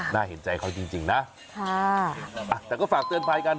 น่าเห็นใจเขาจริงนะค่ะแต่ก็ฝากเตือนภัยกัน